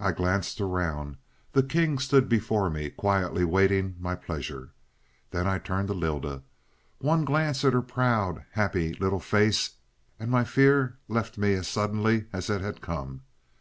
"I glanced around. The king stood before me, quietly waiting my pleasure. Then I turned to Lylda. One glance at her proud, happy little face, and my fear left me as suddenly as it had come.